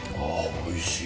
おいしい！